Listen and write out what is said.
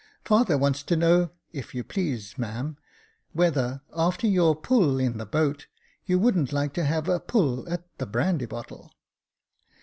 " Father wants to know, if you please, ma'am, whether, after your pull in the boat, you wouldn't like to have a pull at the brandy bottle